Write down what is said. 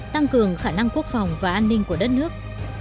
tăng cường khả năng quốc phòng và an ninh của đất nước